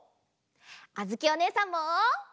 あづきおねえさんも。